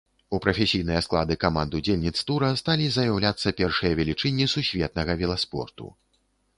У прафесійныя склады каманд-удзельніц тура сталі заяўляцца першыя велічыні сусветнага веласпорту.